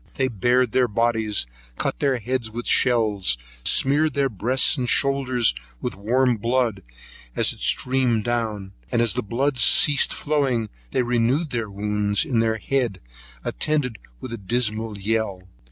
They bared their bodies, cut their heads with shells, and smeared their breasts and shoulders with the warm blood, as it streamed down; and as the blood ceased flowing, they renewed the wounds in their head, attended with a dismal yell.